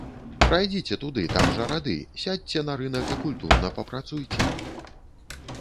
Прайдзіце туды, там жа рады, сядзьце на рынак, і культурна папрацуйце.